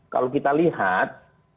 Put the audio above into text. kalau kita lihat